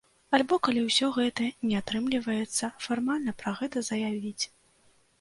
Альбо калі ўсё гэта не атрымліваецца, фармальна пра гэта заявіць.